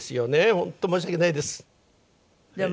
本当申し訳ないです。